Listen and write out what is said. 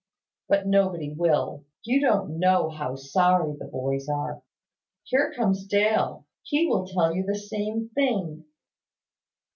But nobody will. You don't know how sorry the boys are. Here comes Dale. He will tell you the same thing."